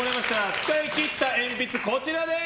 使い切った鉛筆、こちらです！